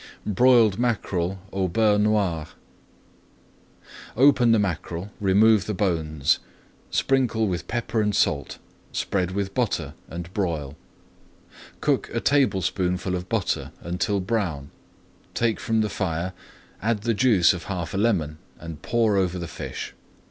BROILED MACKEREL AU BEURRE NOIR Open the mackerel, remove the bones, sprinkle with pepper and salt, spread with butter, and broil. Cook a tablespoonful of butter until brown, take from the fire, add the juice of half a lemon, and pour over the fish.